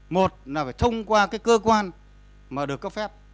một là phải thông qua cái cơ quan mà được cấp phép